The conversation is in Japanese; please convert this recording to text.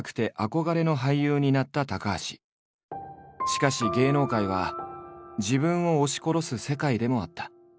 しかし芸能界は自分を押し殺す世界でもあった。